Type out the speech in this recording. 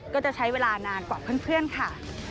ก็จะใช้เวลานานกว่าเพื่อนค่ะ